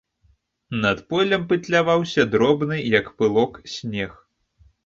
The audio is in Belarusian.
Над полем пытляваўся дробны, як пылок, снег.